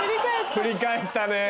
振り返ったね。